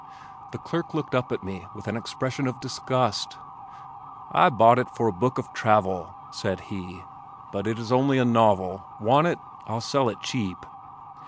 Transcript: The clerk looked up at me with an expression of disgust. "I bought it for a book of travel," said he, "but it is only a novel. Want it? I'll sell it cheap."